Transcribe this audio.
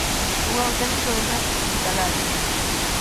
¡Un auténtico desastre hospitalario!